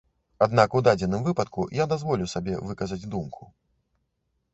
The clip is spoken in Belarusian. Аднак у дадзеным выпадку я дазволю сабе выказаць думку.